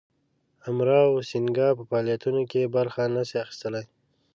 امراو سینګه په فعالیتونو کې برخه نه سي اخیستلای.